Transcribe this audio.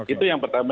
itu yang pertama